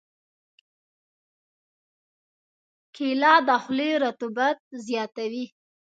کېله د خولې رطوبت زیاتوي.